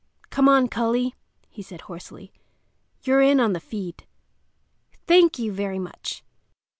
"Come on, cully," he said hoarsely. "You're in on the feed." Thank you very much!